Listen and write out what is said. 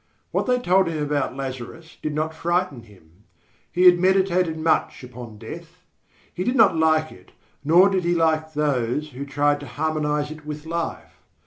What they told him about Lazarus did not frighten him. He had meditated much upon death. He did not like it, nor did he like those who tried to harmonise it with life.